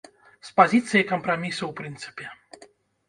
З пазіцыі кампрамісу ў прынцыпе.